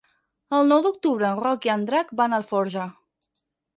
El nou d'octubre en Roc i en Drac van a Alforja.